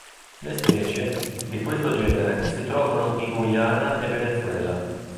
Le specie di questo genere si trovano in Guyana e Venezuela.